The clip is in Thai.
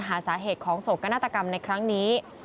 หาสาเหตุของโศกนาฏกรรมในครั้งนี้